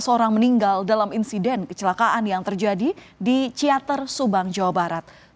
tiga belas orang meninggal dalam insiden kecelakaan yang terjadi di ciater subang jawa barat